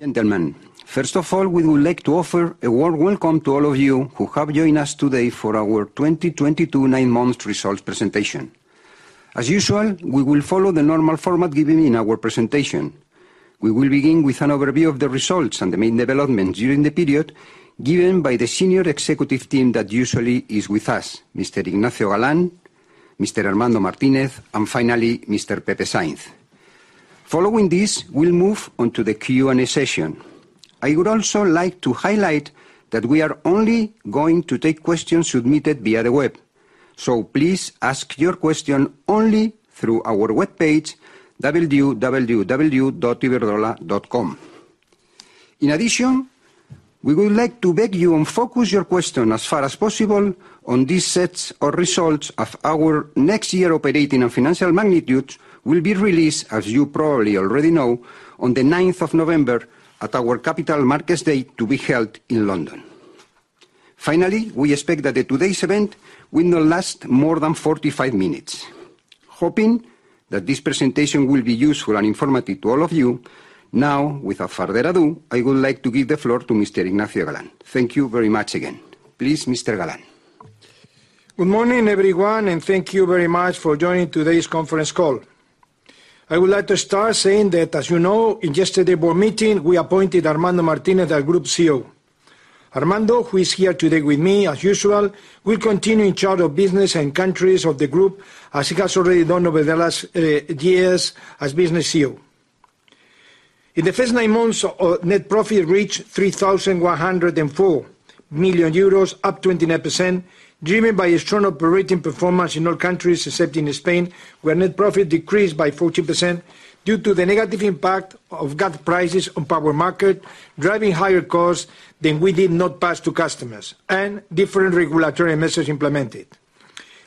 Gentlemen, first of all, we would like to offer a warm welcome to all of you who have joined us today for our 2022 nine months results presentation. As usual, we will follow the normal format given in our presentation. We will begin with an overview of the results and the main development during the period given by the senior executive team that usually is with us, Mr. Ignacio Galán, Mr. Armando Martínez, and finally, Mr. Pepe Sáinz. Following this, we'll move on to the Q&A session. I would also like to highlight that we are only going to take questions submitted via the web. Please ask your question only through our webpage, www.iberdrola.com. In addition, we would like to ask you to focus your questions as far as possible on these results. Our next year's operating and financial magnitudes will be released, as you probably already know, on the ninth of November at our Capital Markets Day to be held in London. Finally, we expect that today's event will not last more than 45 minutes. Hoping that this presentation will be useful and informative to all of you, now, without further ado, I would like to give the floor to Mr. Ignacio Sánchez Galán. Thank you very much again. Please, Mr. Sánchez Galán. Good morning, everyone, and thank you very much for joining today's conference call. I would like to start saying that, as you know, in yesterday board meeting, we appointed Armando Martínez, our group CEO. Armando, who is here today with me as usual, will continue in charge of business and countries of the group, as he has already done over the last years as business CEO. In the first nine months, our net profit reached 3,104 million euros, up 29%, driven by strong operating performance in all countries except in Spain, where net profit decreased by 14% due to the negative impact of gas prices on power market, driving higher costs that we did not pass to customers, and different regulatory measures implemented.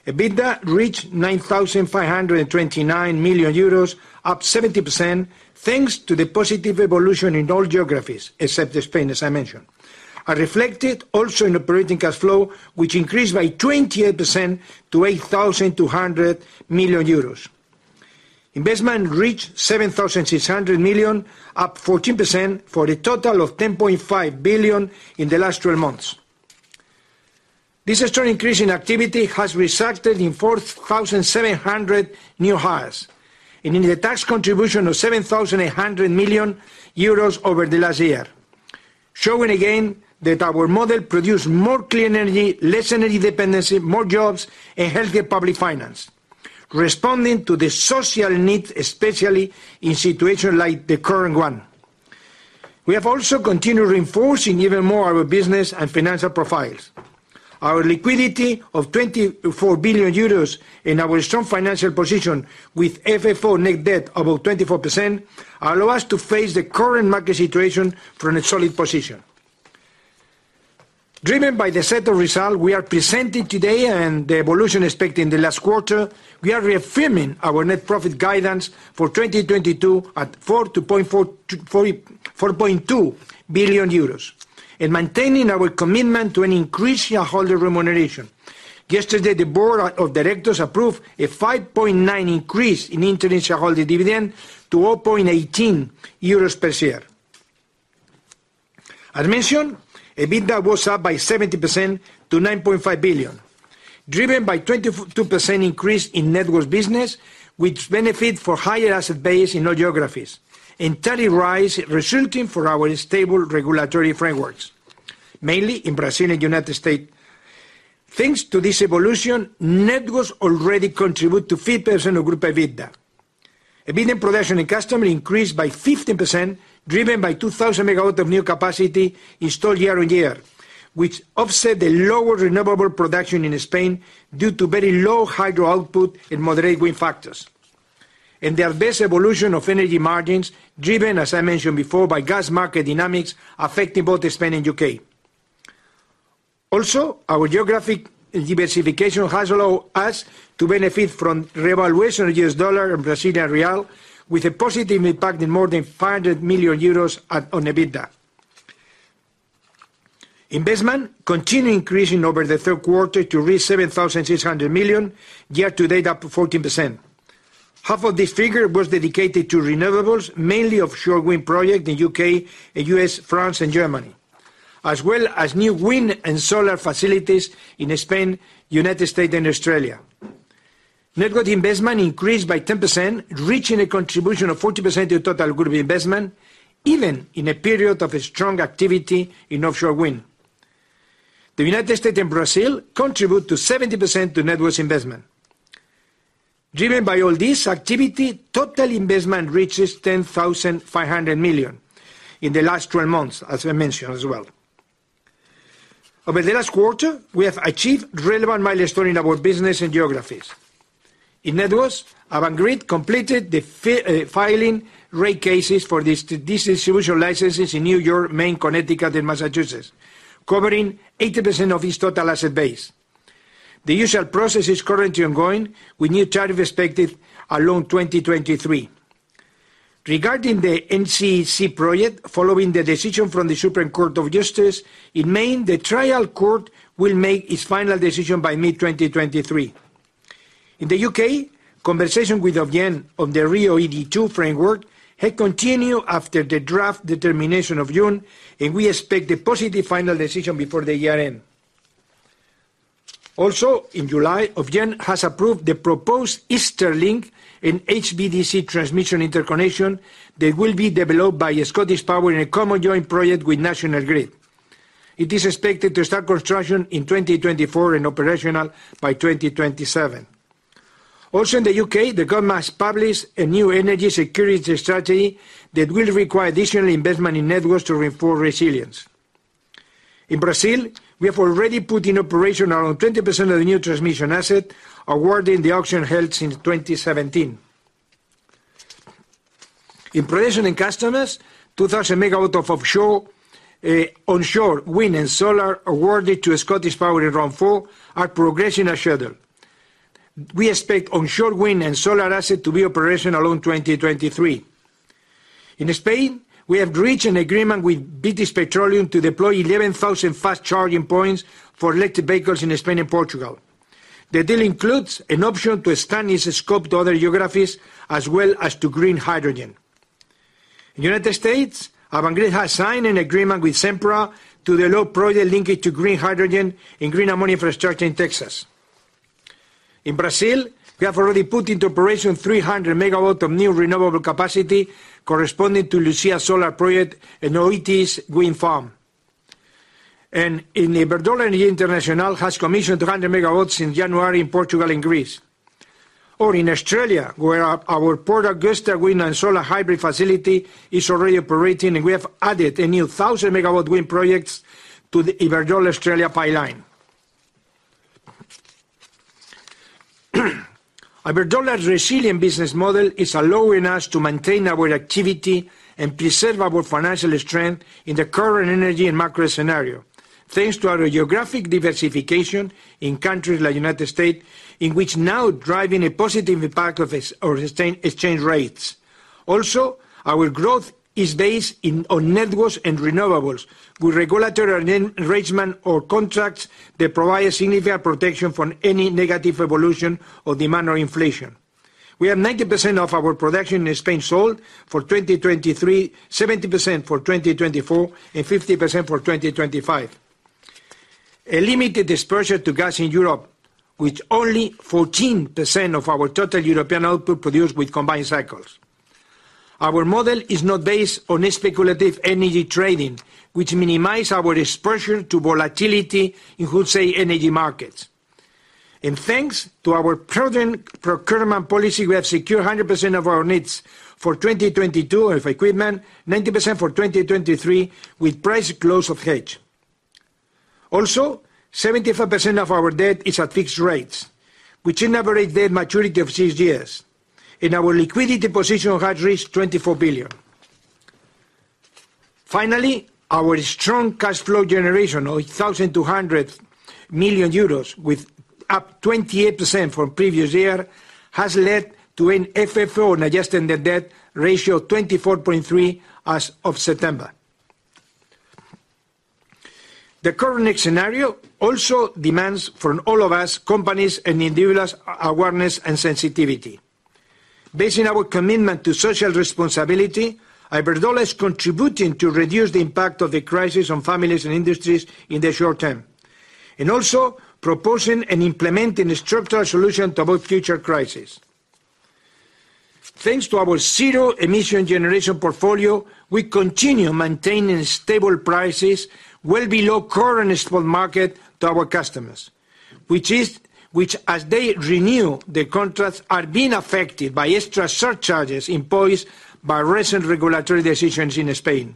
EBITDA reached 9,529 million euros, up 70%, thanks to the positive evolution in all geographies, except in Spain, as I mentioned, are reflected also in operating cash flow, which increased by 28% to 8,200 million euros. Investment reached 7,600 million, up 14% for a total of EUR 10.5 billion in the last twelve months. This strong increase in activity has resulted in 4,700 new hires and in the tax contribution of EUR 7,800 million over the last year, showing again that our model produce more clean energy, less energy dependency, more jobs, and healthier public finance, responding to the social needs, especially in situation like the current one. We have also continued reinforcing even more our business and financial profiles. Our liquidity of 24 billion euros and our strong financial position with FFO net debt above 24% allow us to face the current market situation from a solid position. Driven by the set of results we are presenting today and the evolution expected in the last quarter, we are reaffirming our net profit guidance for 2022 at 4.2-4.4 billion euros and maintaining our commitment to an increased shareholder remuneration. Yesterday, the board of directors approved a 5.9% increase in interim shareholder dividend to 0.418 euros per share. As mentioned, EBITDA was up by 70% to 9.5 billion, driven by 24% increase in networks business, which benefited from higher asset base in all geographies, the entire rise resulting from our stable regulatory frameworks, mainly in Brazil and United States. Thanks to this evolution, networks already contribute to 50% of group EBITDA. EBITDA production and customer increased by 15%, driven by 2,000 MW of new capacity installed year-on-year, which offset the lower renewable production in Spain due to very low hydro output and moderate wind factors, and the best evolution of energy margins driven, as I mentioned before, by gas market dynamics affecting both Spain and the U.K. Also, our geographic diversification has allowed us to benefit from revaluation of U.S. dollar and Brazilian real with a positive impact in more than 500 million euros on EBITDA. Investment continued increasing over the third quarter to reach 7,600 million, year to date, up 14%. Half of this figure was dedicated to renewables, mainly offshore wind projects in the U.K. and U.S., France, and Germany, as well as new wind and solar facilities in Spain, United States, and Australia. Networks investment increased by 10%, reaching a contribution of 40% to the total group investment, even in a period of strong activity in offshore wind. The United States and Brazil contribute 70% to networks investment. Driven by all this activity, total investment reaches 10,500 million in the last twelve months, as I mentioned as well. Over the last quarter, we have achieved relevant milestones in our business and geographies. In networks, Avangrid completed the filing rate cases for these distribution licenses in New York, Maine, Connecticut, and Massachusetts, covering 80% of its total asset base. The usual process is currently ongoing, with new tariff expected in 2023. Regarding the NECEC project, following the decision from the Maine Supreme Judicial Court, the trial court will make its final decision by mid-2023. In the UK, conversation with Ofgem on the RIIO-ED2 framework had continued after the draft determination of June, and we expect a positive final decision before the year end. Also, in July, Ofgem has approved the proposed Eastern Link in HVDC transmission interconnection that will be developed by ScottishPower in a common joint project with National Grid. It is expected to start construction in 2024 and operational by 2027. Also in the UK, the government has published a new energy security strategy that will require additional investment in networks to reinforce resilience. In Brazil, we have already put in operation around 20% of the new transmission asset awarded in the auction held since 2017. In production and construction, 2,000 MW of offshore, onshore wind and solar awarded to ScottishPower in Round 4 are progressing as scheduled. We expect onshore wind and solar asset to be operational in 2023. In Spain, we have reached an agreement with BP to deploy 11,000 fast charging points for electric vehicles in Spain and Portugal. The deal includes an option to extend its scope to other geographies as well as to green hydrogen. In the United States, Avangrid has signed an agreement with Sempra to develop Project Linkage to green hydrogen and green ammonia infrastructure in Texas. In Brazil, we have already put into operation 300 MW of new renewable capacity corresponding to Luzia Solar project and Oitis Wind Farm. Iberdrola International has commissioned 200 MW since January in Portugal and Greece. In Australia, where our Port Augusta wind and solar hybrid facility is already operating, and we have added a new 1,000-MW wind projects to the Iberdrola Australia pipeline. Iberdrola's resilient business model is allowing us to maintain our activity and preserve our financial strength in the current energy and macro scenario. Thanks to our geographic diversification in countries like the United States, in which we are now deriving a positive impact from exchange rates. Our growth is based on networks and renewables with regulatory arrangement or contracts that provide significant protection from any negative evolution of demand or inflation. We have 90% of our production in Spain sold for 2023, 70% for 2024, and 50% for 2025. A limited exposure to gas in Europe, with only 14% of our total European output produced with combined cycles. Our model is not based on speculative energy trading, which minimize our exposure to volatility in wholesale energy markets. Thanks to our prudent procurement policy, we have secured 100% of our needs for 2022 of equipment, 90% for 2023, with prices closed or hedged. Also, 75% of our debt is at fixed rates, which incorporate the maturity of 6 years, and our liquidity position has reached 24 billion. Finally, our strong cash flow generation of 8,200 million euros, up 28% from previous year, has led to an FFO to adjusted net debt ratio of 24.3 as of September. The current scenario also demands from all of us, companies and individuals, awareness and sensitivity. Based on our commitment to social responsibility, Iberdrola is contributing to reduce the impact of the crisis on families and industries in the short term, and also proposing and implementing structural solutions to avoid future crises. Thanks to our zero emissions generation portfolio, we continue maintaining stable prices well below current spot market prices to our customers, which, as they renew the contracts, are being affected by extra surcharges imposed by recent regulatory decisions in Spain.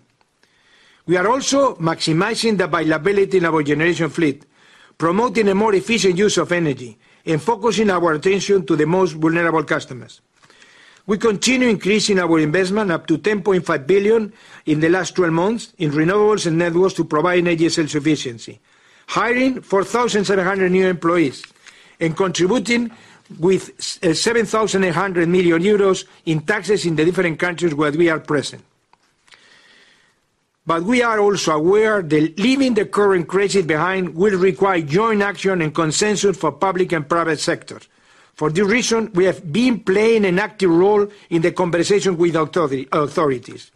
We are also maximizing the availability in our generation fleet, promoting a more efficient use of energy and focusing our attention to the most vulnerable customers. We continue increasing our investment up to 10.5 billion in the last 12 months in renewables and networks to provide energy self-sufficiency, hiring 4,100 new employees, and contributing with seven thousand eight hundred million euros in taxes in the different countries where we are present. We are also aware that leaving the current crisis behind will require joint action and consensus for public and private sector. For this reason, we have been playing an active role in the conversation with authorities.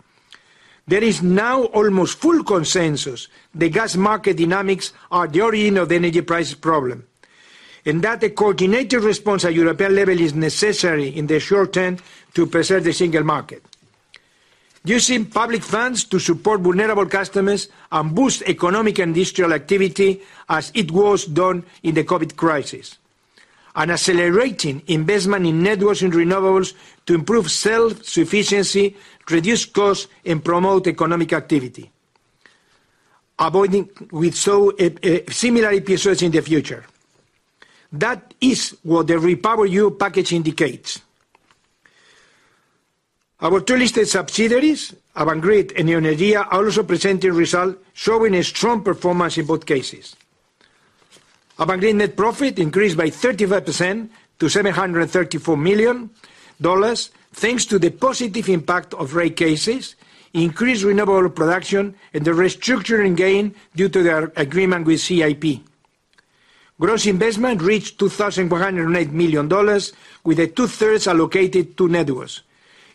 There is now almost full consensus the gas market dynamics are the origin of the energy price problem, and that a coordinated response at European level is necessary in the short term to preserve the single market. Using public funds to support vulnerable customers and boost economic and digital activity as it was done in the COVID crisis. Accelerating investment in networks and renewables to improve self-sufficiency, reduce costs, and promote economic activity, avoiding, as we saw, a similar crisis in the future. That is what the REPowerEU package indicates. Our two listed subsidiaries, Avangrid and Neoenergia, also presented results showing a strong performance in both cases. Avangrid net profit increased by 35% to $734 million. $734 million, thanks to the positive impact of rate cases, increased renewable production, and the restructuring gain due to our agreement with CIP. Gross investment reached $2,408 million, with two-thirds allocated to networks.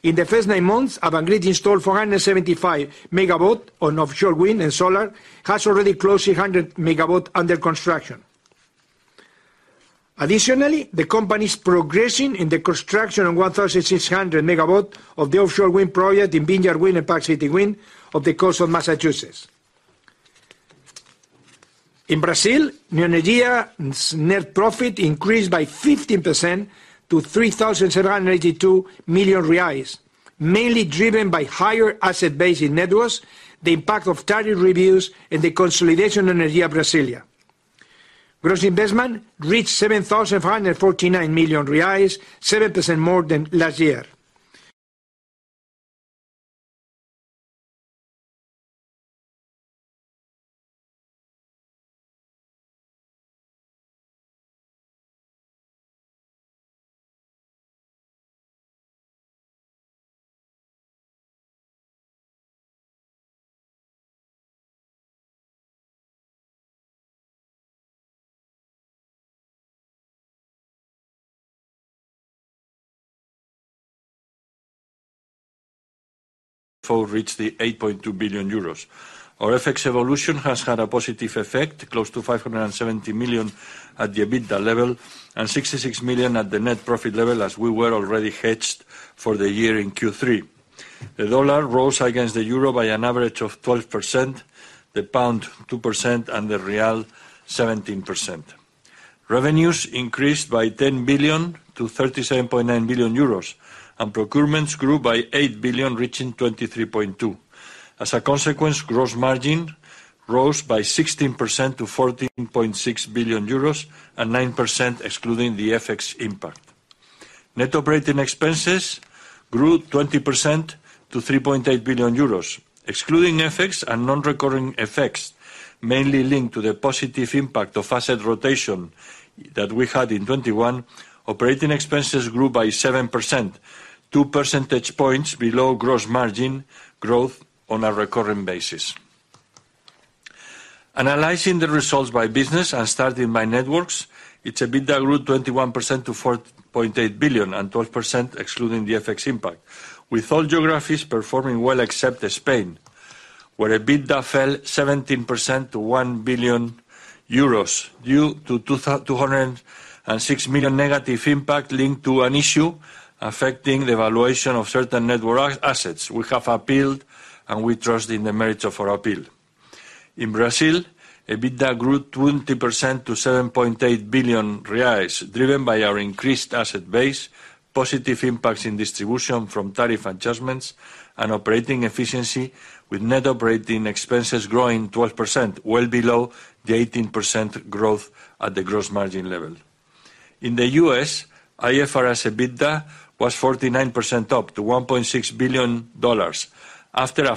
In the first nine months, Avangrid installed 475 MW on offshore wind and solar, has already closed 300 MW under construction. Additionally, the company is progressing in the construction of 1,600 MW of the offshore wind project in Vineyard Wind and Park City Wind off the coast of Massachusetts. In Brazil, Neoenergia's net profit increased by 15% to 3,782 million reais, mainly driven by higher asset base in networks, the impact of tariff reviews, and the consolidation of CEB Distribuição. Gross investment reached 7,449 million reais, 7% more than last year. EBITDA reached 8.2 billion euros. Our FX evolution has had a positive effect, close to 570 million at the EBITDA level and 66 million at the net profit level as we were already hedged for the year in Q3. The dollar rose against the euro by an average of 12%, the pound 2%, and the real 17%. Revenues increased by 10 billion to 37.9 billion euros, and procurements grew by 8 billion, reaching 23.2 billion. As a consequence, gross margin rose by 16% to 14.6 billion euros and 9% excluding the FX impact. Net operating expenses grew 20% to 3.8 billion euros. Excluding FX and non-recurring effects, mainly linked to the positive impact of asset rotation that we had in 2021, operating expenses grew by 7%, two percentage points below gross margin growth on a recurring basis. Analyzing the results by business and starting by networks, its EBITDA grew 21% to EUR 4.8 billion and 12% excluding the FX impact, with all geographies performing well except Spain, where EBITDA fell 17% to EUR 1 billion due to EUR 206 million negative impact linked to an issue affecting the valuation of certain network assets. We have appealed, and we trust in the merits of our appeal. In Brazil, EBITDA grew 20% to 7.8 billion reais, driven by our increased asset base, positive impacts in distribution from tariff adjustments and operating efficiency with net operating expenses growing 12%, well below the 18% growth at the gross margin level. In the US, IFRS EBITDA was 49% up to $1.6 billion after a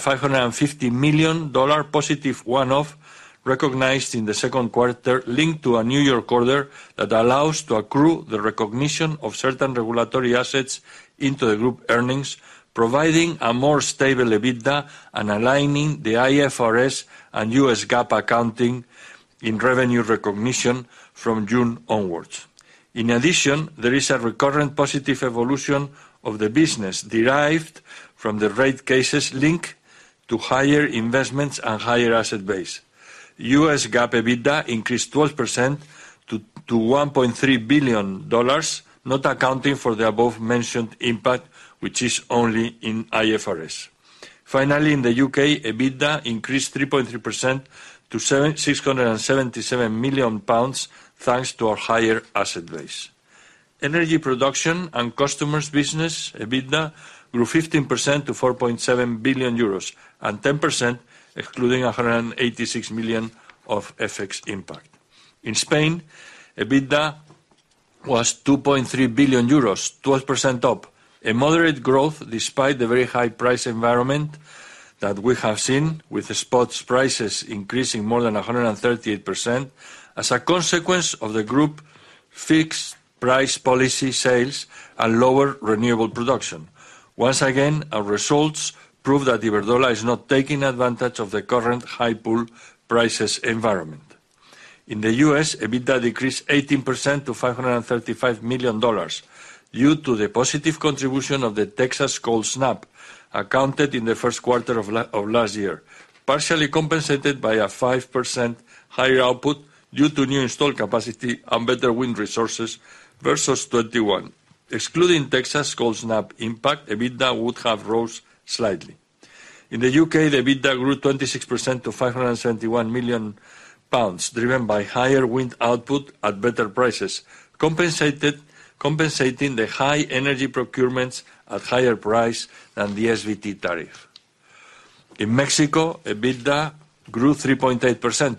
$550 million positive one-off recognized in the second quarter linked to a New York order that allows to accrue the recognition of certain regulatory assets into the group earnings, providing a more stable EBITDA and aligning the IFRS and US GAAP accounting in revenue recognition from June onwards. In addition, there is a recurrent positive evolution of the business derived from the rate cases linked to higher investments and higher asset base. US GAAP EBITDA increased 12% to $1.3 billion, not accounting for the above-mentioned impact, which is only in IFRS. Finally, in the UK, EBITDA increased 3.3% to 677 million pounds, thanks to our higher asset base. Energy production and customers business EBITDA grew 15% to 4.7 billion euros and 10% excluding 186 million of FX impact. In Spain, EBITDA was 2.3 billion euros, 12% up. A moderate growth despite the very high price environment that we have seen with the spot prices increasing more than 138% as a consequence of the group fixed price policy sales and lower renewable production. Once again, our results prove that Iberdrola is not taking advantage of the current high pool prices environment. In the US, EBITDA decreased 18% to $535 million due to the positive contribution of the Texas cold snap accounted in the first quarter of of last year, partially compensated by a 5% higher output due to new installed capacity and better wind resources versus 2021. Excluding Texas cold snap impact, EBITDA would have rose slightly. In the UK, the EBITDA grew 26% to GBP 571 million, driven by higher wind output at better prices. Compensating the high energy procurements at higher price than the SVT tariff. In Mexico, EBITDA grew 3.8% to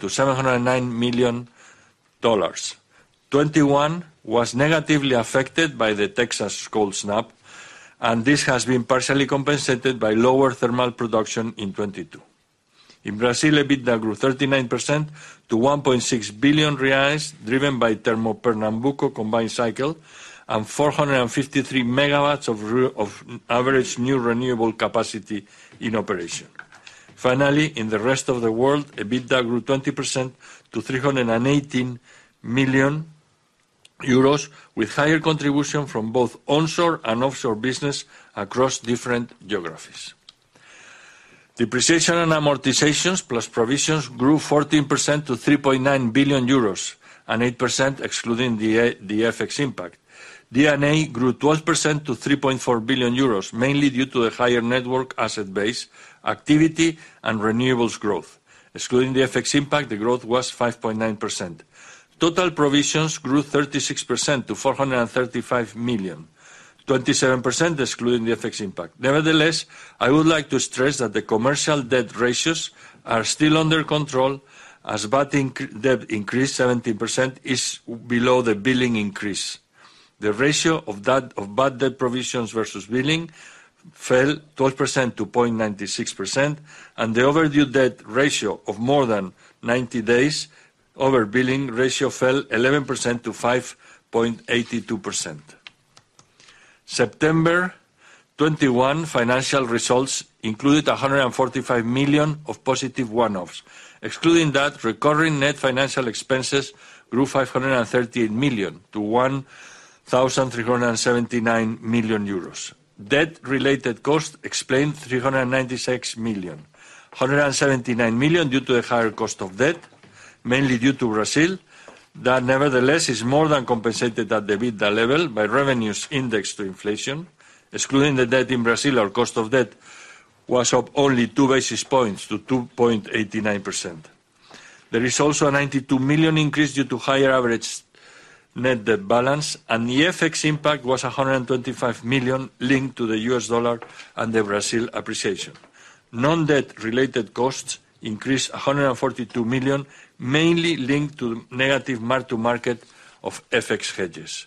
$709 million. 2021 was negatively affected by the Texas cold snap, and this has been partially compensated by lower thermal production in 2022. In Brazil, EBITDA grew 39% to 1.6 billion reais, driven by Termopernambuco combined cycle and 453 MW of average new renewable capacity in operation. Finally, in the rest of the world, EBITDA grew 20% to 318 million euros, with higher contribution from both onshore and offshore business across different geographies. Depreciation and amortizations plus provisions grew 14% to 3.9 billion euros and 8% excluding the FX impact. D&A grew 12% to 3.4 billion euros, mainly due to the higher network asset base, activity, and renewables growth. Excluding the FX impact, the growth was 5.9%. Total provisions grew 36% to 435 million, 27% excluding the FX impact. Nevertheless, I would like to stress that the commercial debt ratios are still under control, as bad debt increase 70% is below the billing increase. The ratio of debt of bad debt provisions versus billing fell 12% to 0.96%, and the overdue debt ratio of more than 90 days over billing ratio fell 11% to 5.82%. September 2021 financial results included 145 million of positive one-offs. Excluding that, recurring net financial expenses grew 538 million to 1,379 million euros. Debt-related costs explained 396 million. 179 million due to a higher cost of debt, mainly due to Brazil. That nevertheless is more than compensated at the EBITDA level by revenues indexed to inflation. Excluding the debt in Brazil, our cost of debt was up only two basis points to 2.89%. There is also a 92 million increase due to higher average net debt balance, and the FX impact was a 125 million linked to the US dollar and the Brazil appreciation. Non-debt related costs increased a 142 million, mainly linked to negative mark to market of FX hedges.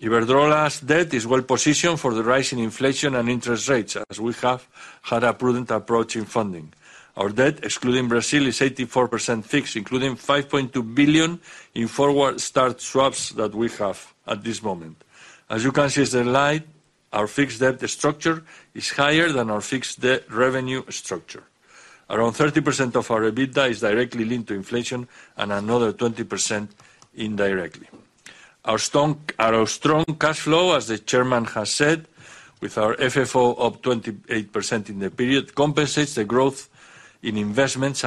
Iberdrola's debt is well positioned for the rise in inflation and interest rates, as we have had a prudent approach in funding. Our debt, excluding Brazil, is 84% fixed, including 5.2 billion in forward start swaps that we have at this moment. As you can see on the slide, our fixed debt structure is higher than our fixed debt revenue structure. Around 30% of our EBITDA is directly linked to inflation and another 20% indirectly. Our strong cash flow, as the chairman has said, with our FFO up 28% in the period, compensates the growth in investments, allowing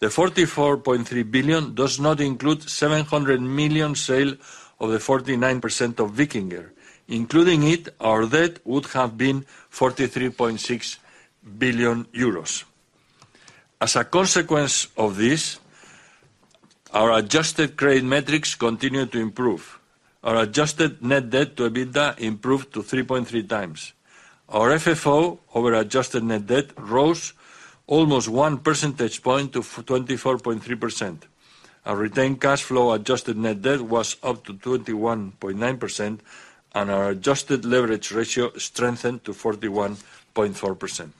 the company to maintain debt under control. We have had a working capital active management that has allowed us to reduce negative impacts on this working capital and collateral needs, affected by high energy prices and regulatory measures that force us to fund taxes and suppliers. Collateral had only an impact of EUR 0.2 billion. The EUR 44.3 billion does not include EUR 700 million sale of the 49% of Wikinger. Including it, our debt would have been 43.6 billion euros. As a consequence of this, our adjusted credit metrics continue to improve. Our adjusted net debt to EBITDA improved to 3.3 times. Our FFO over adjusted net debt rose almost 1 percentage point to 24.3%. Our retained cash flow adjusted net debt was up to 21.9%, and our adjusted leverage ratio strengthened to 41.4%.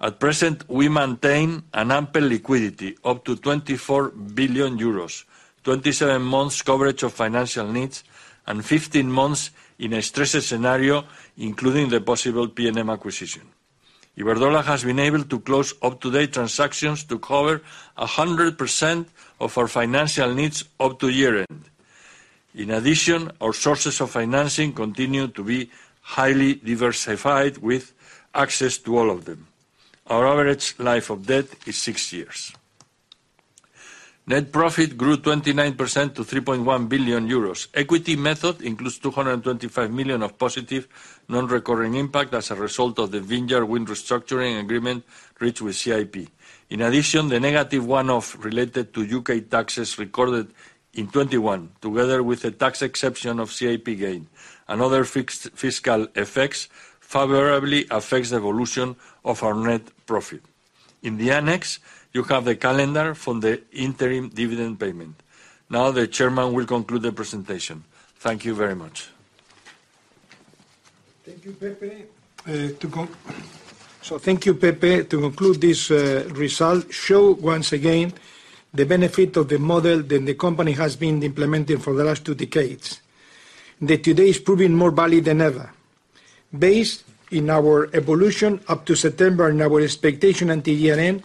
At present, we maintain an ample liquidity up to 24 billion euros, 27 months coverage of financial needs, and 15 months in a stresses scenario, including the possible PNM acquisition. Iberdrola has been able to close up-to-date transactions to cover 100% of our financial needs up to year-end. In addition, our sources of financing continue to be highly diversified with access to all of them. Our average life of debt is 6 years. Net profit grew 29% to 3.1 billion euros. Equity method includes 225 million of positive non-recurring impact as a result of the Vineyard Wind restructuring agreement reached with CIP. In addition, the negative one-off related to U.K. taxes recorded in 2021, together with the tax exception of CIP gain and other fixed fiscal effects favorably affects the evolution of our net profit. In the annex, you have the calendar for the interim dividend payment. Now, the chairman will conclude the presentation. Thank you very much. Thank you, Pepe. To conclude this, results show once again the benefit of the model that the company has been implementing for the last two decades, that today is proving more valid than ever. Based on our evolution up to September and our expectation at the year-end,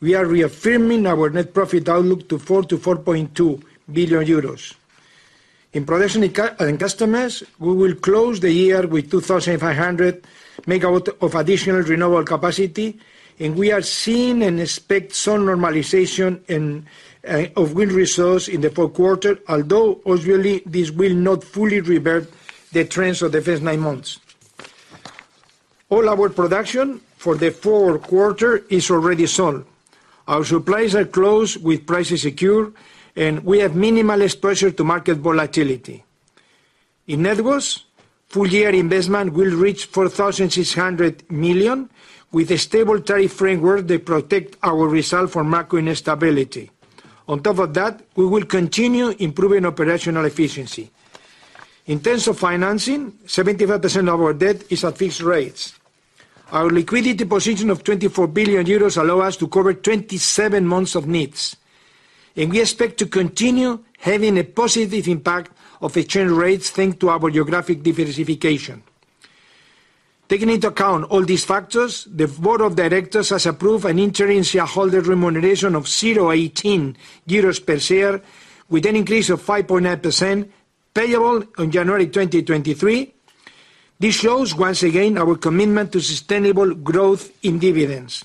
we are reaffirming our net profit outlook to 4 billion-4.2 billion euros. In production and customers, we will close the year with 2,500 MW of additional renewable capacity, and we are seeing and expect some normalization in the wind resource in the fourth quarter, although obviously, this will not fully revert the trends of the first nine months. All our production for the fourth quarter is already sold. Our supplies are closed with prices secure, and we have minimal exposure to market volatility. In networks, full year investment will reach 4,600 million, with a stable tariff framework that protect our result from macro instability. On top of that, we will continue improving operational efficiency. In terms of financing, 75% of our debt is at fixed rates. Our liquidity position of 24 billion euros allow us to cover 27 months of needs. We expect to continue having a positive impact of exchange rates, thanks to our geographic diversification. Taking into account all these factors, the board of directors has approved an interim shareholder remuneration of 0.18 euros per share, with an increase of 5.9% payable on January 2023. This shows, once again, our commitment to sustainable growth in dividends.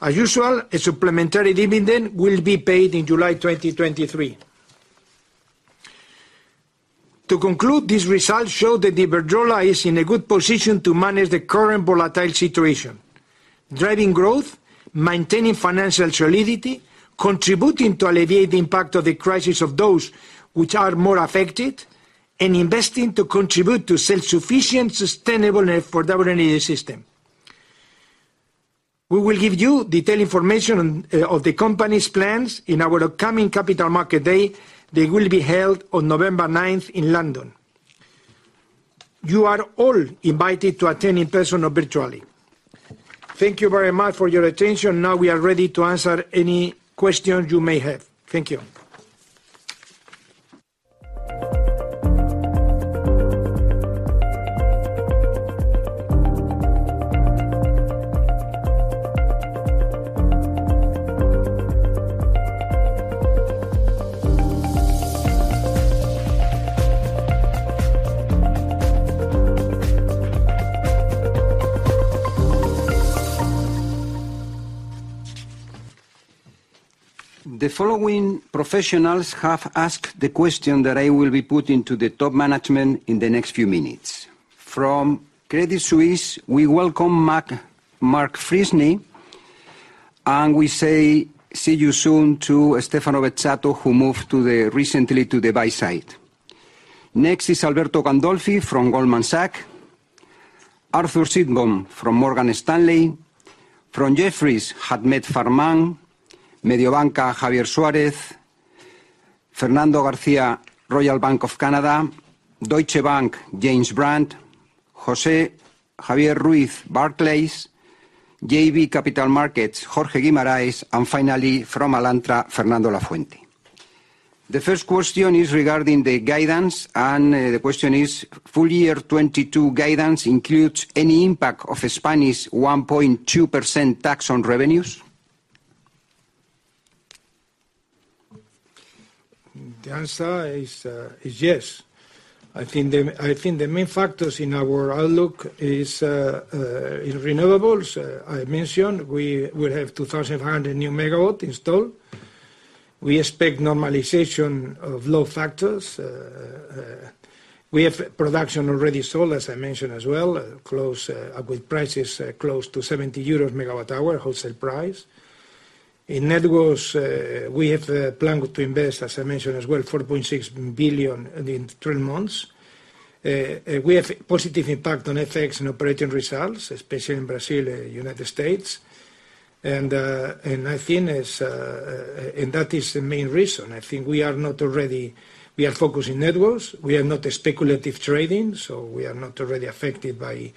As usual, a supplementary dividend will be paid in July 2023. To conclude, these results show that Iberdrola is in a good position to manage the current volatile situation, driving growth, maintaining financial solidity, contributing to alleviate the impact of the crisis of those which are more affected, and investing to contribute to self-sufficient sustainable net for their energy system. We will give you detailed information on of the Company's plans in our upcoming capital market day that will be held on November ninth in London. You are all invited to attend in person or virtually. Thank you very much for your attention. Now we are ready to answer any questions you may have. Thank you. The following professionals have asked the question that I will be putting to the top management in the next few minutes. From Credit Suisse, we welcome Mac, Mark Freshney, and we say see you soon to Stefano Beccato, who moved recently to the buy side. Next is Alberto Gandolfi from Goldman Sachs, Arthur Sitbon from Morgan Stanley, from Jefferies, Ahmed Farman, Mediobanca, Javier Suarez, Fernando Garcia, Royal Bank of Canada, Deutsche Bank, James Brand, José Ruiz, Barclays, JB Capital Markets, Jorge Guimarães, and finally, from Alantra, Fernando Lafuente. The first question is regarding the guidance, and the question is: Full year 2022 guidance includes any impact of Spanish 1.2% tax on revenues? The answer is yes. I think the main factors in our outlook is in renewables. I mentioned we will have 2,000 new megawatt installed. We expect normalization of load factors. We have production already sold, as I mentioned as well, with prices close to 70 EUR/MWh wholesale price. In net debt, we have the plan to invest, as I mentioned as well, 4.6 billion in the 12 months. We have positive impact on FX and operating results, especially in Brazil and United States. That is the main reason. We are focused on net debt. We are not a speculative trading, so we are not affected by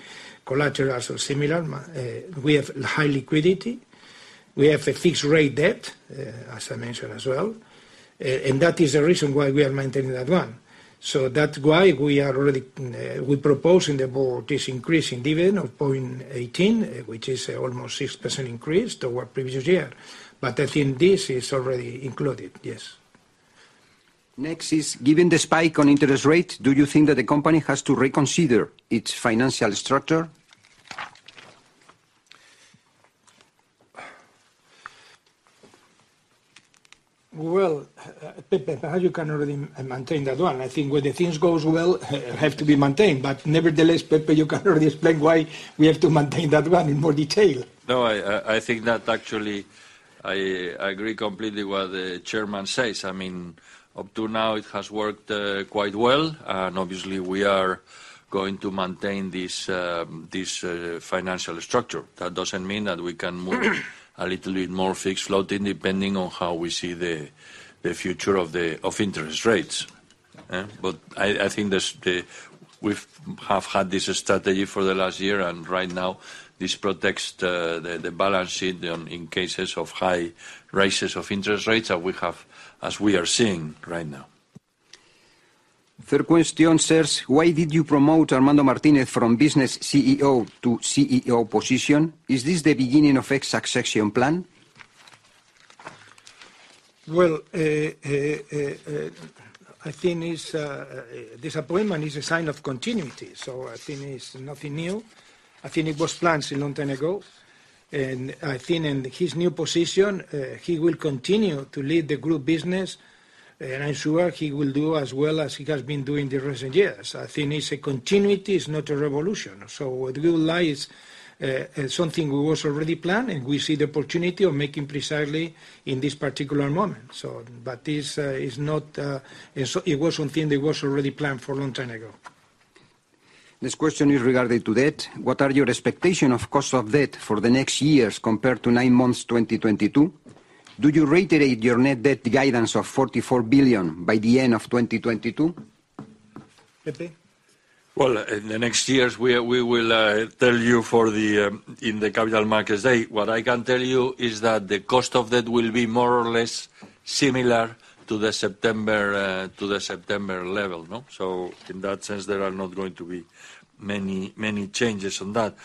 collaterals or similar. We have high liquidity. We have a fixed rate debt, as I mentioned as well. That is the reason why we are maintaining that one. That's why we are already we propose in the board this increase in dividend of 0.18, which is almost 6% increase to our previous year. I think this is already included, yes. Next is, given the spike in interest rates, do you think that the company has to reconsider its financial structure? Well, Pepe, perhaps you can already maintain that one. I think when the things goes well, have to be maintained. Nevertheless, Pepe, you can already explain why we have to maintain that one in more detail. No, I think that actually I agree completely what the chairman says. I mean, up to now it has worked quite well, and obviously we are going to maintain this financial structure. That doesn't mean that we can move a little bit more fixed loading depending on how we see the future of the interest rates. I think we've had this strategy for the last year and right now this protects the balance sheet in cases of high rises of interest rates that we have, as we are seeing right now. Third question, sir. Why did you promote Armando Martínez Martínez from Business CEO to CEO position? Is this the beginning of executive succession plan? Well, I think it's this appointment is a sign of continuity, so I think it's nothing new. I think it was planned a long time ago. I think in his new position, he will continue to lead the group business, and I'm sure he will do as well as he has been doing in the recent years. I think it's a continuity, it's not a revolution. What we would like is something we was already planning. We see the opportunity of making precisely in this particular moment. This is not. It was something that was already planned a long time ago. This question is regarding debt. What are your expectation of cost of debt for the next years compared to 9 months 2022? Do you reiterate your net debt guidance of 44 billion by the end of 2022? Pepe? Well, in the next years we will tell you in the Capital Markets Day. What I can tell you is that the cost of debt will be more or less similar to the September level, no? In that sense, there are not going to be many changes on that.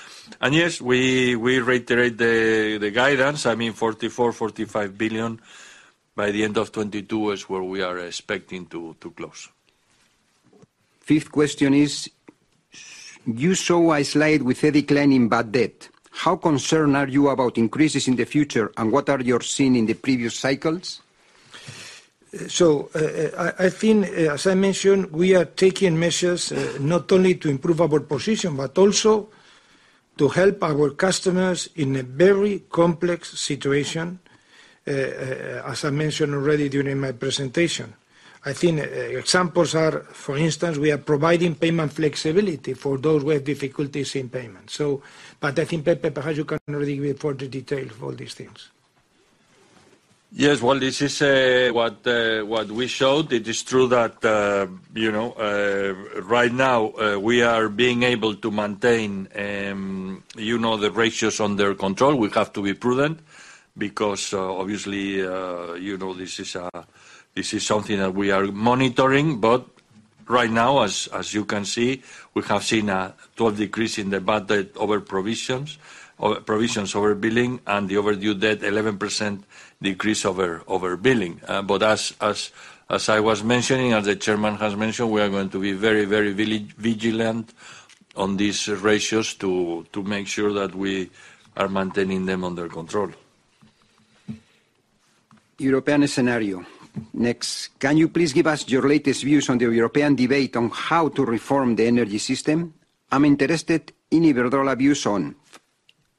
Yes, we reiterate the guidance. I mean, 44-45 billion by the end of 2022 is where we are expecting to close. Fifth question is, you show a slide with a decline in bad debt. How concerned are you about increases in the future, and what are you seeing in the previous cycles? I think, as I mentioned, we are taking measures not only to improve our position, but also to help our customers in a very complex situation, as I mentioned already during my presentation. I think examples are, for instance, we are providing payment flexibility for those who have difficulties in payment. I think, Pepe Sainz, can already give all the details of all these things. Yes. Well, this is what we showed. It is true that you know right now we are being able to maintain you know the ratios under control. We have to be prudent because obviously you know this is something that we are monitoring. Right now as you can see, we have seen a total decrease in the bad debt provisions, or provisions over billing and the overdue debt, 11% decrease over billing. As I was mentioning, as the chairman has mentioned, we are going to be very, very vigilant on these ratios to make sure that we are maintaining them under control. European scenario. Next, can you please give us your latest views on the European debate on how to reform the energy system? I'm interested in Iberdrola's views on,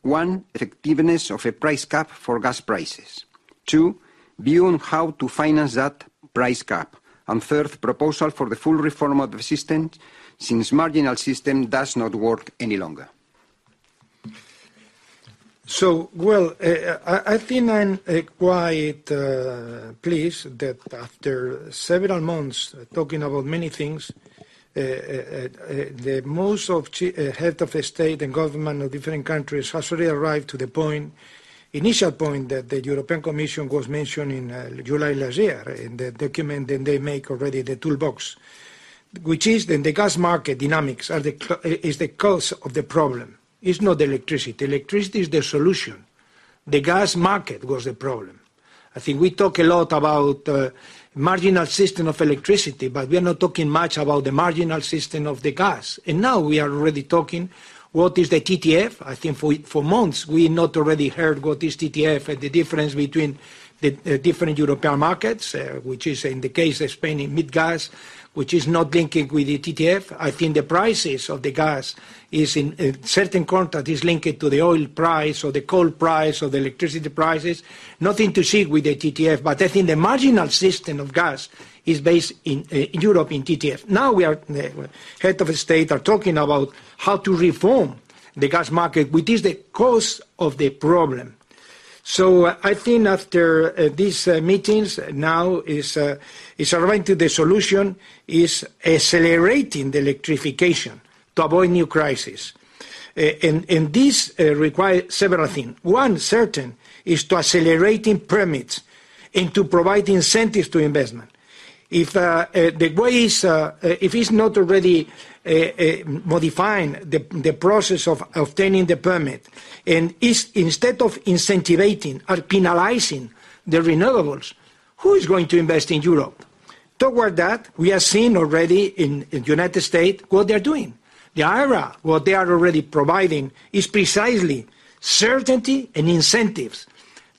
one, effectiveness of a price cap for gas prices. Two, view on how to finance that price cap. Third, proposal for the full reform of the system since marginal system does not work any longer. I think I'm quite pleased that after several months talking about many things, the heads of state and government of different countries has already arrived to the point, initial point that the European Commission was mentioning July last year in the document, and they make already the toolbox, which is that the gas market dynamics are the cause of the problem. It's not electricity. Electricity is the solution. The gas market was the problem. I think we talk a lot about marginal system of electricity, but we are not talking much about the marginal system of the gas. Now we are really talking what is the TTF. I think for months, we've already heard what is TTF and the difference between the different European markets, which is in the case of Spain and MIBGAS, which is not linking with the TTF. I think the prices of the gas in a certain contract is linked to the oil price or the coal price or the electricity prices. Nothing to do with the TTF. I think the marginal system of gas is based in Europe on TTF. Now heads of state are talking about how to reform the gas market, which is the cause of the problem. I think after these meetings, now we are arriving at the solution, accelerating the electrification to avoid new crisis. And this require several thing. One certainty is to accelerate permits and to provide incentives to investment. If the way is, if it's not already modifying the process of obtaining the permit, and instead of incentivizing or penalizing renewables, who is going to invest in Europe? Toward that, we are seeing already in United States what they're doing. The IRA, what they are already providing is precisely certainty and incentives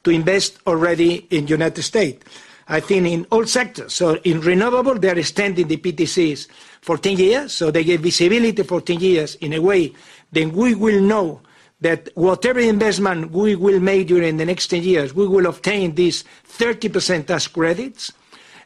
to invest in United States. I think in all sectors. In renewables, they are extending the PTCs for 10 years, so they give visibility for 10 years in a way that we will know that whatever investment we will make during the next 10 years, we will obtain these 30% tax credits.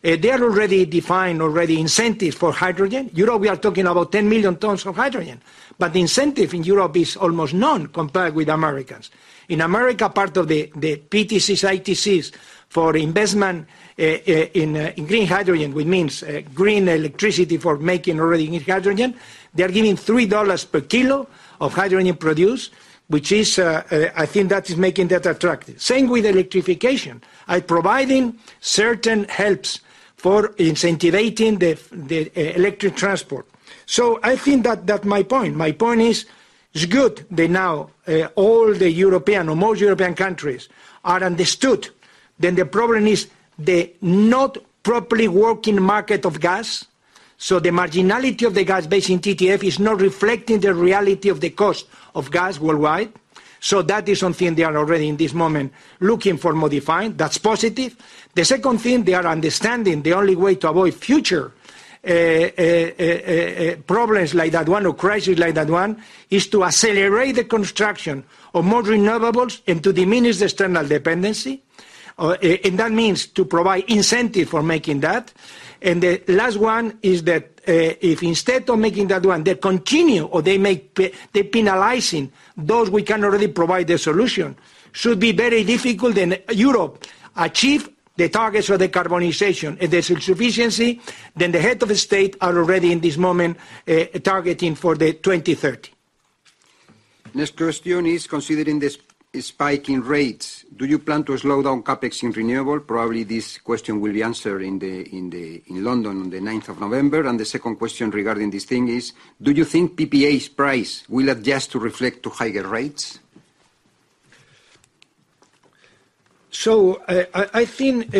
They have already defined incentives for hydrogen. Europe, we are talking about 10 million tons of hydrogen, but the incentive in Europe is almost none compared with Americans. In America, part of the PTCs, ITCs for investment in green hydrogen, which means green electricity for making already hydrogen, they're giving $3 per kilo of hydrogen produced, which I think is making that attractive. Same with electrification, providing certain helps for incentivizing the electric transport. I think that my point. My point is, it's good that now all the European or most European countries are understood, then the problem is the not properly working market of gas. The marginality of the gas-based TTF is not reflecting the reality of the cost of gas worldwide. That is something they are already in this moment looking for modifying. That's positive. The second thing, they are understanding the only way to avoid future problems like that one or crisis like that one is to accelerate the construction of more renewables and to diminish the external dependency. That means to provide incentive for making that. The last one is that, if instead of making that one, they continue or they make penalizing those who can already provide the solution should be very difficult that Europe achieve the targets for the decarbonization and the self-sufficiency that the heads of state are already in this moment targeting for 2030. Next question is, considering this spiking rates, do you plan to slow down CapEx in renewables? Probably this question will be answered in the London on the ninth of November. The second question regarding this thing is, do you think PPAs prices will adjust to reflect the higher rates? I think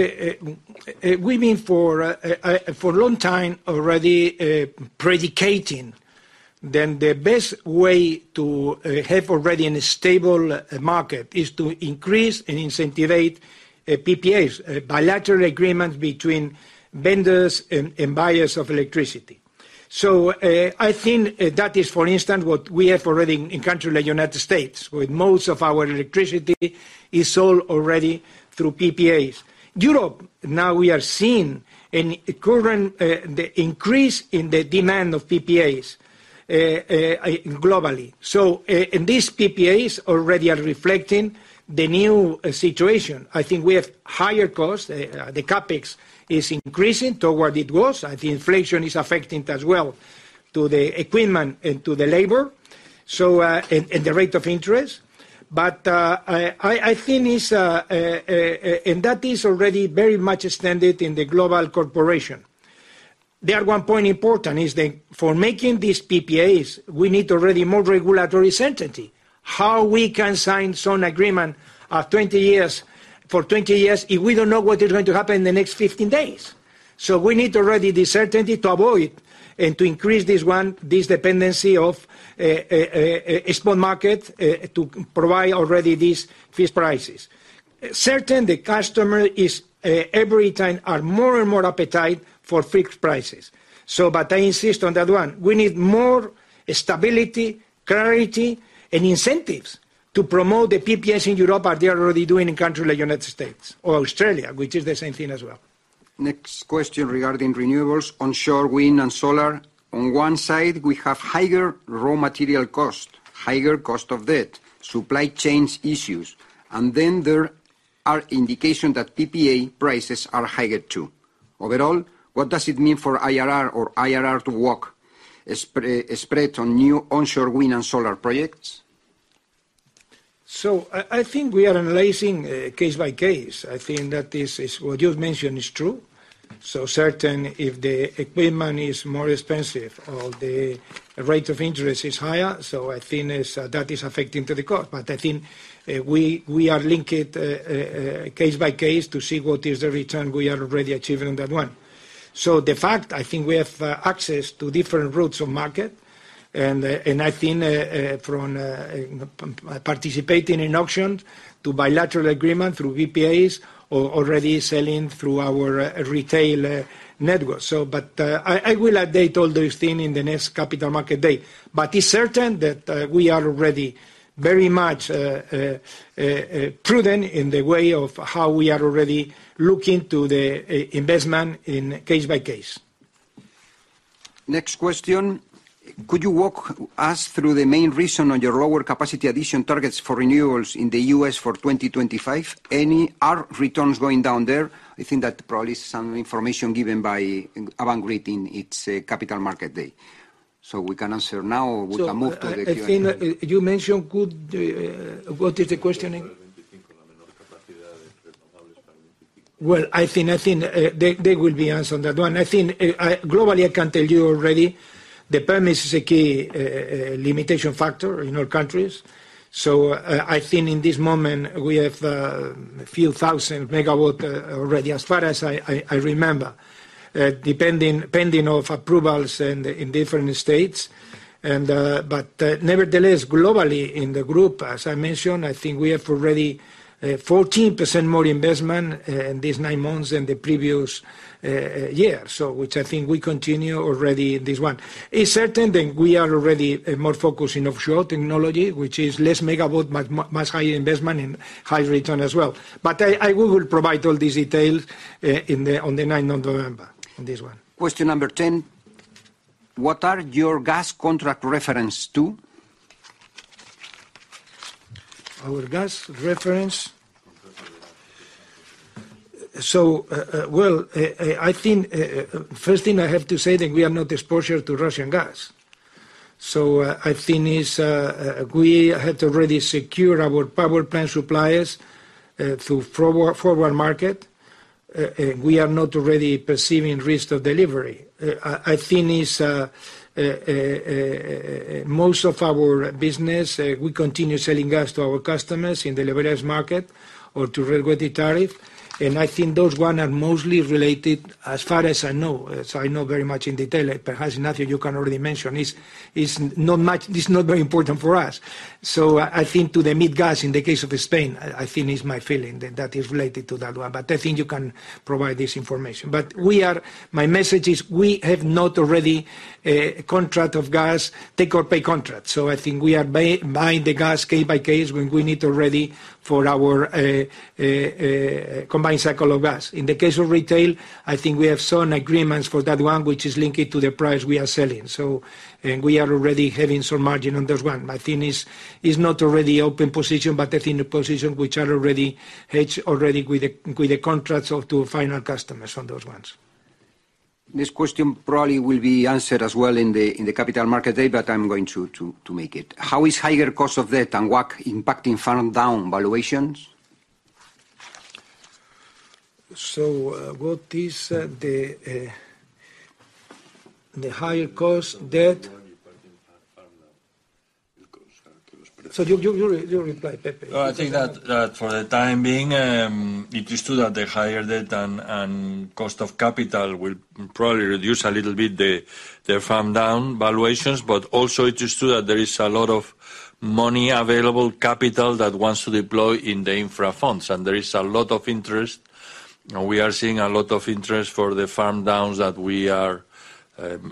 we've been for a long time already predicating then the best way to have a stable market is to increase and incentivize PPAs, bilateral agreement between vendors and buyers of electricity. I think that is for instance what we have already in a country like United States, where most of our electricity is sold already through PPAs. Europe, now we are seeing a current increase in the demand of PPAs globally. These PPAs already are reflecting the new situation. I think we have higher costs. The CapEx is increasing to what it was. The inflation is affecting it as well to the equipment and to the labor, and the rate of interest. I think that is already very much extended in the global corporation. There is one important point that for making these PPAs, we need already more regulatory certainty. How can we sign some agreement for 20 years if we don't know what is going to happen in the next 15 days? We need already the certainty to avoid and to decrease this dependency of export market to provide already these fixed prices. Certainly, customers have more and more appetite for fixed prices. I insist on that one, we need more stability, clarity and incentives to promote the PPAs in Europe as they are already doing in countries like United States or Australia, which is the same thing as well. Next question regarding renewables, onshore wind and solar. On one side, we have higher raw material costs, higher cost of debt, supply chain issues, and then there are indications that PPA prices are higher too. Overall, what does it mean for IRR to walk spread on new onshore wind and solar projects? I think we are analyzing case by case. I think that is what you've mentioned is true. If the equipment is more expensive or the rate of interest is higher, I think that is affecting the cost. I think we are looking at it case by case to see what is the return we are already achieving on that one. In fact, I think we have access to different routes to market and from participating in auction to bilateral agreement through PPAs or already selling through our retail network. I will update all this thing in the next Capital Markets Day. It's certain that we are already very much prudent in the way of how we are already looking to the investment case by case. Next question. Could you walk us through the main reason on your lower capacity addition targets for renewables in the US for 2025? Are returns going down there? I think that probably some information given by Ignacio at our capital markets day. So we can answer now or we can move to the Q&A. I think you mentioned good, what is the question again? I think they will be answered on that one. I think, Globally, I can tell you already the permitting is a key limitation factor in all countries. I think in this moment we have few thousand megawatt already, as far as I remember, pending of approvals in different states. Nevertheless, globally in the group, as I mentioned, I think we have already 14% more investment in these nine months than the previous year. Which I think we continue already in this one. It's certain that we are already more focused in offshore technology, which is less megawatt, much higher investment and high return as well. We will provide all these details on the ninth of November on this one. Question number 10: What are your gas contract references to? Our gas reference? Well, I think first thing I have to say that we are not exposed to Russian gas. I think it's we had already secured our power plant suppliers through forward market we are not already perceiving risk of delivery. I think it's most of our business we continue selling gas to our customers in the delivery market or to regulatory tariff, and I think those ones are mostly regulated as far as I know. I don't know very much in detail, but there's nothing you can't already mention. It's not much. It's not very important for us. I think to the MIBGAS in the case of Spain, I think it's my feeling that that is related to that one. I think you can provide this information. My message is we have not already contract of gas take-or-pay contract. I think we are buying the gas case by case when we need already for our combined cycle of gas. In the case of retail, I think we have certain agreements for that one which is linked to the price we are selling. We are already having some margin on this one. My thing is, it's not already open position, but I think the position which are already hedged already with the contracts to final customers on those ones. This question probably will be answered as well in the capital market day, but I'm going to make it. How is higher cost of debt and WACC impacting farm-down valuations? What is the higher cost debt? You reply, Pepe. I think that for the time being, it is true that the higher debt and cost of capital will probably reduce a little bit the farm-down valuations. Also it is true that there is a lot of money available, capital that wants to deploy in the infra funds, and there is a lot of interest. We are seeing a lot of interest for the farm-downs that we are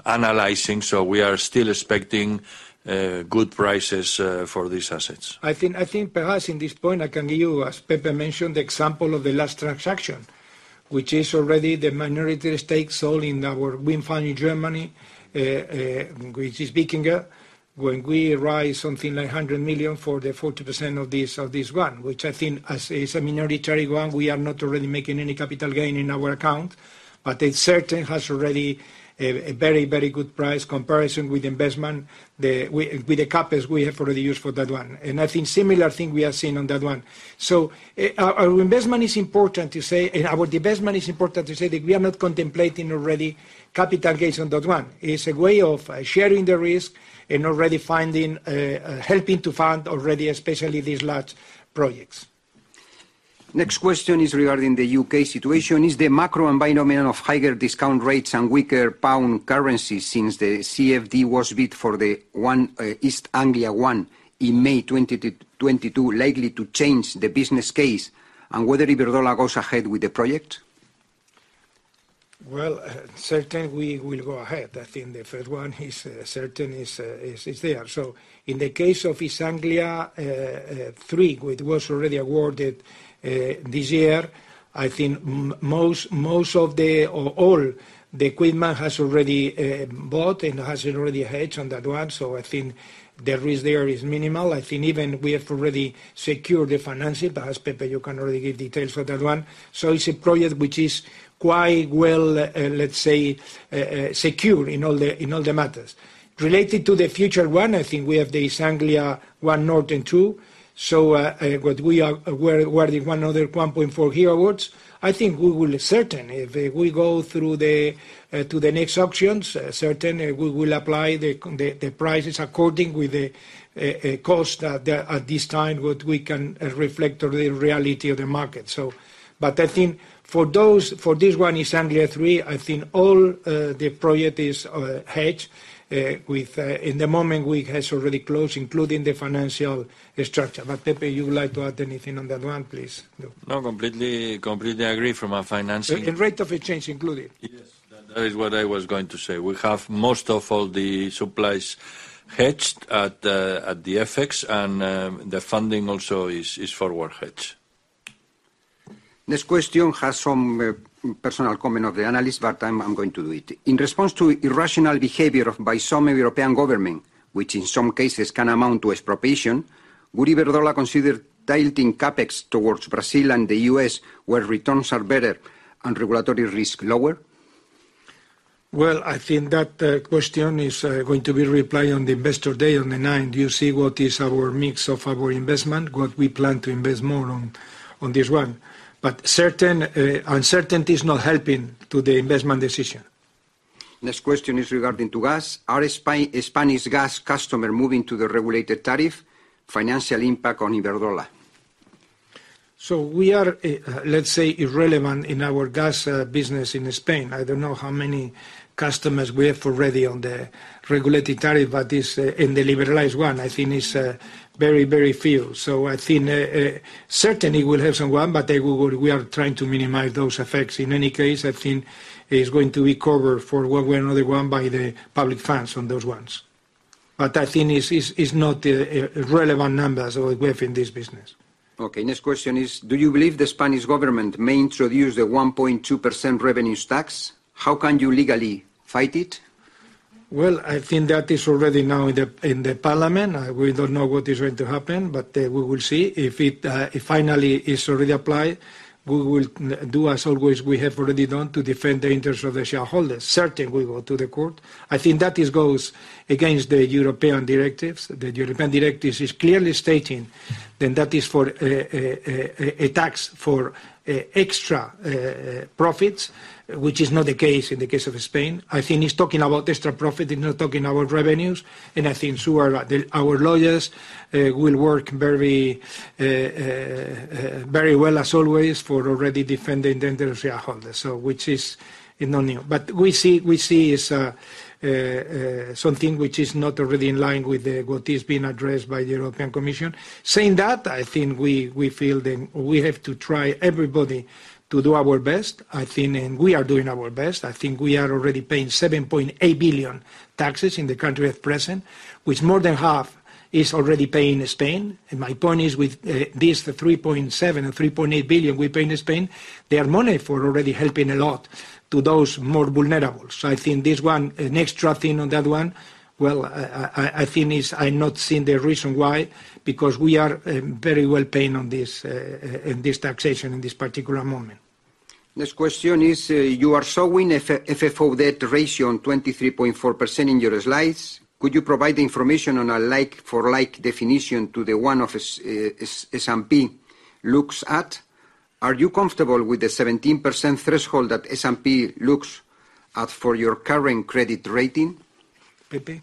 analyzing, so we are still expecting good prices for these assets. I think perhaps at this point I can give you, as Pepe mentioned, the example of the last transaction, which is already the minority stake sold in our wind farm in Germany, which is Wikinger. When we raise something like 100 million for the 40% of this one, which I think as is a minority one, we are not really making any capital gain in our account, but it certain has already a very good price comparison with the investment with the CapEx we have already used for that one. I think similar thing we are seeing on that one. Our investment is important to say, and our divestment is important to say that we are not contemplating already capital gains on that one. It's a way of sharing the risk and already helping to fund already, especially these large projects. Next question is regarding the UK situation. Is the macro environment of higher discount rates and weaker pound currency since the CFD was bid for the one, East Anglia ONE in May 2022 likely to change the business case and whether Iberdrola goes ahead with the project? Well, certainly we will go ahead. I think the first one is certainly there. In the case of East Anglia THREE, which was already awarded this year, I think most of the or all the equipment has already bought and has already hedged on that one. I think the risk there is minimal. I think even we have already secured the financing. Perhaps, Pepe, you can already give details for that one. It's a project which is quite well, let's say, secure in all the matters. Related to the future one, I think we have the East Anglia ONE North and TWO. What we are aware of is another 1.4 gigawatts. I think we will be certain if we go through to the next auctions. We will apply the prices according to the costs at this time that reflect the reality of the market. I think for this one, East Anglia THREE, I think all the prices are hedged, and at the moment we have already closed, including the financial structure. Pepe, you would like to add anything on that one, please do. No, completely agree from a financing- Rate of exchange included. Yes. That is what I was going to say. We have most of all the supplies hedged at the FX and the funding also is forward hedged. This question has some personal comment of the analyst, but I'm going to do it. In response to irrational behavior by some European government, which in some cases can amount to expropriation, would Iberdrola consider tilting CapEx towards Brazil and the U.S., where returns are better and regulatory risk lower? Well, I think that question is going to be replied on the investor day on the ninth. You see what is our mix of our investment, what we plan to invest more on this one. Certain uncertainty is not helping to the investment decision. Next question is regarding the gas. Are Spanish gas customers moving to the regulated tariff? Financial impact on Iberdrola? We are, let's say, irrelevant in our gas business in Spain. I don't know how many customers we have already on the regulatory tariff, but in the liberalized one, I think it's very few. I think certainly we'll have someone, we are trying to minimize those effects. In any case, I think it's going to recover one way or another by the public funds on those ones. I think it's not the relevant numbers what we have in this business. Okay. Next question is, do you believe the Spanish government may introduce the 1.2% revenue tax? How can you legally fight it? Well, I think that is already now in the parliament. We don't know what is going to happen, but we will see. If it finally is already applied, we will do as always we have already done to defend the interest of the shareholder. Certainly we go to the court. I think that it goes against the European directives. The European directives is clearly stating that it is for a tax for extra profits, which is not the case in the case of Spain. I think it's talking about extra profit, it's not talking about revenues. I think so do our lawyers will work very well as always for already defending the interest of the shareholder. Which is a no-no. We see this is something which is not already in line with what is being addressed by the European Commission. Saying that, I think we feel that we have to try, everybody, to do our best, I think, and we are doing our best. I think we are already paying 7.8 billion taxes in the country at present, which more than half is already paid in Spain. My point is with this, the 3.7 billion or 3.8 billion we pay in Spain, that money is already helping a lot to those more vulnerable. I think this one, an extra thing on that one, well, I think it's. I can't see the reason why, because we are very well paying in this taxation in this particular moment. Next question is, you are showing a FFO debt ratio on 23.4% in your slides. Could you provide the information on a like for like definition to the one that S&P looks at? Are you comfortable with the 17% threshold that S&P looks at for your current credit rating? Pepe?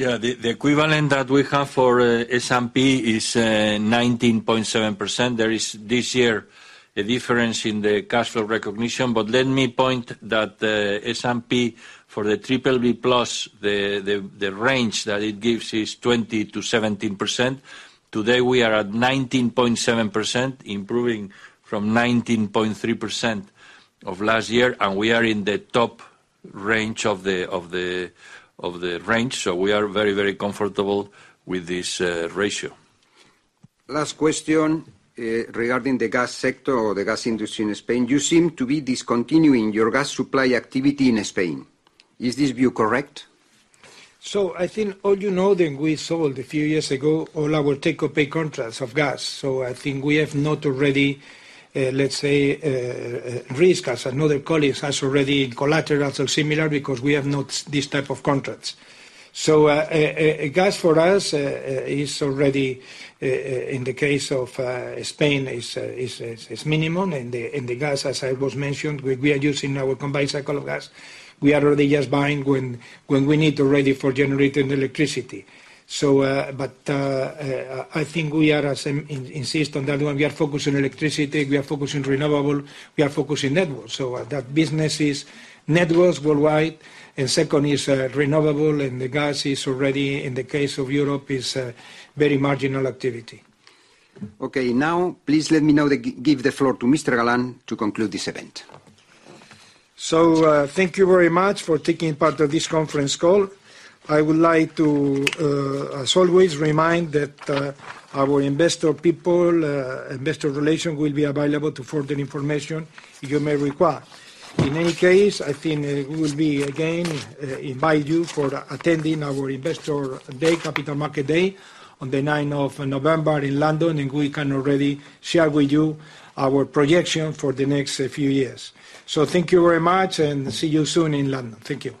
Yeah. The equivalent that we have for S&P is 19.7%. There is this year a difference in the cash flow recognition. But let me point that S&P for the BBB+, the range that it gives is 20%-17%. Today, we are at 19.7%, improving from 19.3% of last year, and we are in the top range of the range, so we are very, very comfortable with this ratio. Last question, regarding the gas sector or the gas industry in Spain. You seem to be discontinuing your gas supply activity in Spain. Is this view correct? I think all, you know, then we sold a few years ago all our take-or-pay contracts of gas. I think we have not already, let's say, risk. As far as I know the colleagues have already collateralized or similar because we have not this type of contracts. Gas for us is already, in the case of Spain is minimum. And the gas, as I mentioned, we are using our combined-cycle gas. We are only just buying when we need already for generating electricity. But I think we are, as I insist on that one, we are focused on electricity, we are focused on renewables, we are focused on networks. That business is networks worldwide, and second is renewable, and the gas is already, in the case of Europe, is a very marginal activity. Okay. Now, please let me now give the floor to Mr. Galán to conclude this event. Thank you very much for taking part of this conference call. I would like to, as always, remind that our investor people, investor relation will be available to further information you may require. In any case, I think we will again invite you for attending our investor day, capital market day on the ninth of November in London, and we can already share with you our projection for the next few years. Thank you very much and see you soon in London. Thank you